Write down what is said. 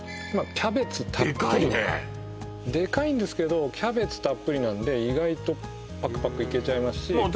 キャベツたっぷりのでかいねでかいんですけどキャベツたっぷりなんで意外とパクパクいけちゃいますしへえまあ